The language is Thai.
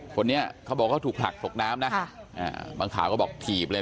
คนนี้เขาบอกเขาถูกผลักตกน้ำนะบางข่าวก็บอกถีบเลย